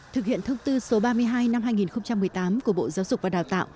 thực hiện thông tư số ba mươi hai năm hai nghìn một mươi tám của bộ giáo dục và đào tạo